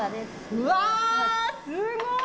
うわ、すごい！